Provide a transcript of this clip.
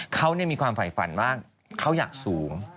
เขาเนี่ยมีความไฝฝันว่าเขาอยากสูง